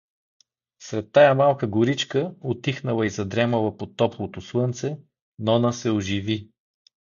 Сред тая малка горичка, утихнала и задрямала под топлото слънце, Нона се оживи.